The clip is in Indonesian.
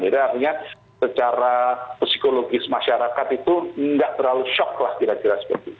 jadi akhirnya secara psikologis masyarakat itu nggak terlalu shock lah kira kira seperti itu